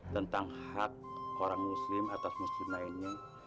tentang hak orang muslim atas muslim lainnya